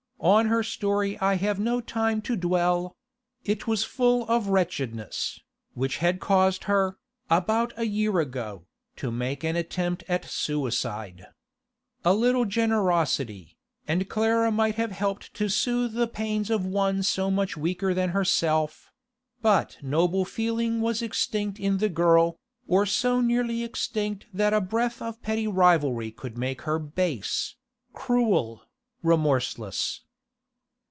On her story I have no time to dwell; it was full of wretchedness, which had caused her, about a year ago, to make an attempt at suicide. A little generosity, and Clara might have helped to soothe the pains of one so much weaker than herself; but noble feeling was extinct in the girl, or so nearly extinct that a breath of petty rivalry could make her base, cruel, remorseless.